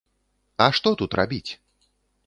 А што тут рабіць?